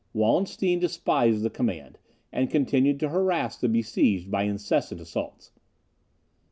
Wallenstein despised the command, and continued to harass the besieged by incessant assaults.